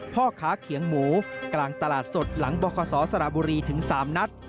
พ่อค้าเขียงหมูกลางตลาดสดหลังบคศสระบุรีถึง๓นัด